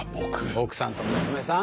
奥さんと娘さん